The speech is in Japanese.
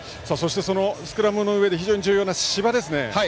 スクラムの上で重要な芝です。